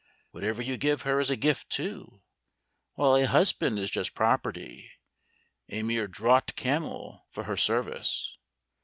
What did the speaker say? Whatever you give her is a gift too, while a husband is just property, a mere draught camel for her service.